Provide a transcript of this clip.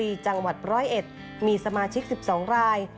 ที่จังหวัดบร้อยเอ็ดมีสมาชิก๑๒ราย